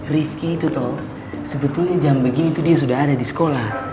rifqi itu tuh sebetulnya jam begini dia sudah ada di sekolah